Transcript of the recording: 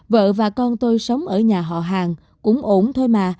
vợ và con tôi sống ở nhà họ hàng cũng ổn thôi mà